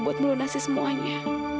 buat melunasi semuanya